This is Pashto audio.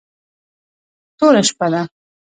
توره شپه ده .